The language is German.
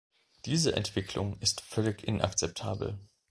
Diese Entwicklung ist völlig inakzeptabel.